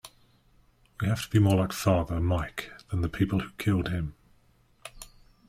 We have to be more like Father Mike than the people who killed him.